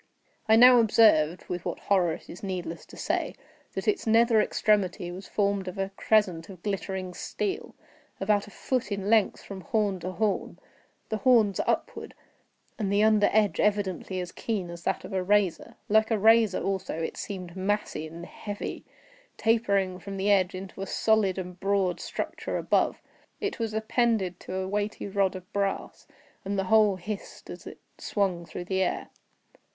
I now observed—with what horror it is needless to say—that its nether extremity was formed of a crescent of glittering steel, about a foot in length from horn to horn; the horns upward, and the under edge evidently as keen as that of a razor. Like a razor also, it seemed massy and heavy, tapering from the edge into a solid and broad structure above. It was appended to a weighty rod of brass, and the whole hissed as it swung through the air.